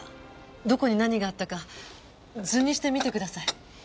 どこに何があったか図にしてみてください。